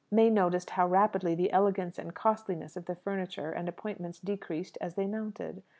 May noticed how rapidly the elegance and costliness of the furniture and appointments decreased as they mounted.